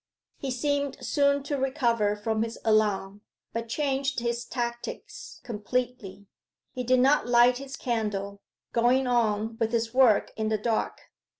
He seemed soon to recover from his alarm, but changed his tactics completely. He did not light his candle going on with his work in the dark.